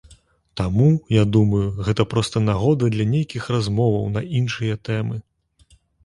Таму, я думаю, гэта проста нагода для нейкіх размоваў на іншыя тэмы.